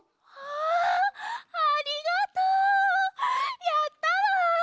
あありがとう！やったわ！